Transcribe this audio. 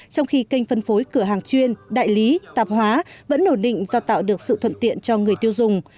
trong khi kênh phân phối cửa hàng chuyên đại lý tạp hóa vẫn nổ định do tạo được sự thuận tiện cho người tiêu dùng